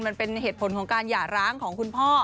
มันเป็นเหตุผลของการหย่าร้างของคุณพ่อ